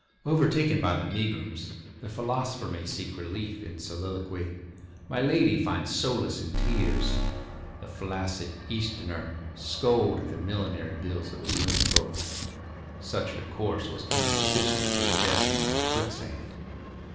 Overtaken by the megrims, the philosopher may seek relief in soliloquy; my lady find solace in tears; the flaccid Easterner scold at the millinery bills of his women folk. Such recourse was insufficient to the denizens of Quicksand.